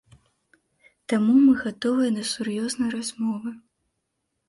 Таму мы гатовыя да сур'ёзнай размовы.